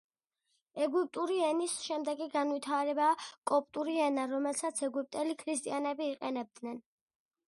ეგვიპტური ენის შემდეგი განვითარებაა კოპტური ენა, რომელსაც ეგვიპტელი ქრისტიანები იყენებდნენ.